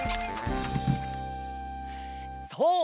そう！